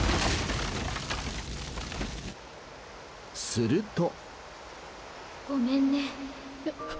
［すると］